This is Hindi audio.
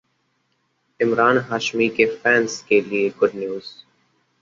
इमरान हाशमी के फैन्स के लिए गुड न्यूज